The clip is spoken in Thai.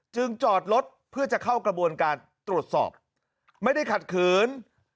จอดรถเพื่อจะเข้ากระบวนการตรวจสอบไม่ได้ขัดขืน